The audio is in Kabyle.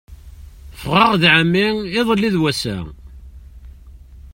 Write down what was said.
Ffɣeɣ d ɛemmi iḍelli d wass-a.